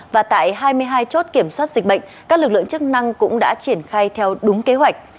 và tại hai mươi hai chốt kiểm soát dịch bệnh các lực lượng chức năng cũng đã triển khai theo đúng kế hoạch